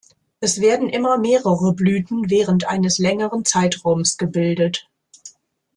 Es werden immer mehrere Blüten während eines längeren Zeitraums gebildet.